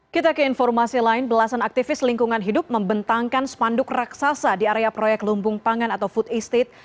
kita ke informasi lain belasan aktivis lingkungan hidup membentangkan spanduk raksasa di area proyek lumbung pangan atau food estate